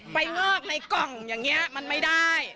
งอกในกล่องอย่างนี้มันไม่ได้